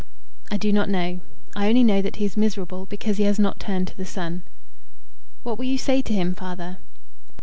"I do not know. I only know that he is miserable because he has not turned to the Sun." "What will you say to him, father?"